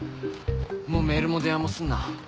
もうメールも電話もすんな。